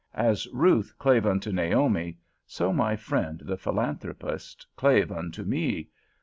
As Ruth clave unto Naomi, so my friend the Philanthropist clave unto me.